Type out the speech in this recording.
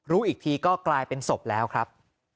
รู้อีกทีก็กลายเป็นศพแล้วครับ